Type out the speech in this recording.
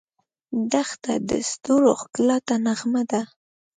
دښته د ستورو ښکلا ته نغمه ده.